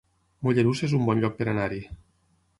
Mollerussa es un bon lloc per anar-hi